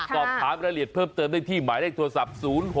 สอบถามรายละเอียดเพิ่มเติมได้ที่หมายเลขโทรศัพท์๐๖